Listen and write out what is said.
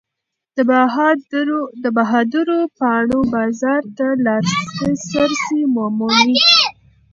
د بهادرو پاڼو بازار ته لاسرسی ومومئ.